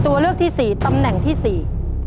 ตัวเลือกที่สี่ตำแหน่งที่สี่